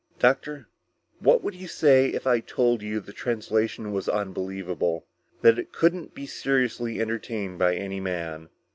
"Doctor, what would you say if I told you the translation was unbelievable; that it couldn't be seriously entertained by any man?